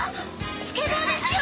スケボーですよ！